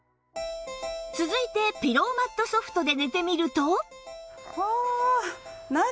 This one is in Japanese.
続いてピローマット Ｓｏｆｔ で寝てみると